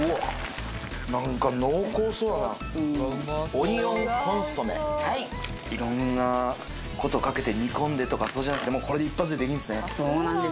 オニオンコンソメはいいろんなことかけて煮込んでとかそうじゃなくてこれで一発でできんですね